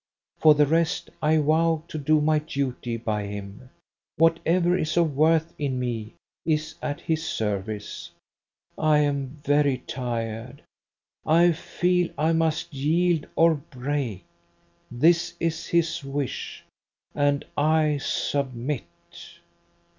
For the rest, I vow to do my duty by him. Whatever is of worth in me is at his service. I am very tired. I feel I must yield or break. This is his wish, and I submit."